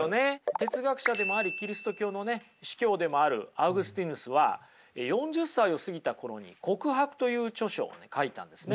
哲学者でもありキリスト教のね司教でもあるアウグスティヌスは４０歳を過ぎた頃に「告白」という著書をね書いたんですね。